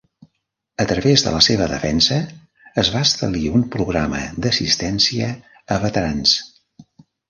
A través de la seva defensa, es va establir un programa d'assistència a veterans.